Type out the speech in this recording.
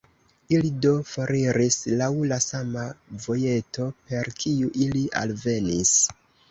Ili do foriris laŭ la sama vojeto, per kiu ili alvenis.